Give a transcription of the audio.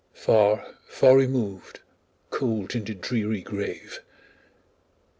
Far, far removed, cold in the dreary grave!